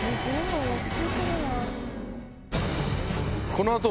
この後。